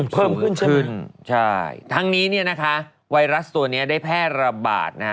เพิ่มขึ้นใช่ไหมใช่ทั้งนี้เนี่ยนะคะไวรัสตัวนี้ได้แพร่ระบาดนะฮะ